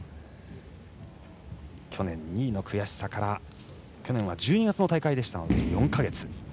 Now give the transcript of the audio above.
去年２位の悔しさから去年は１２月の大会でしたので４か月。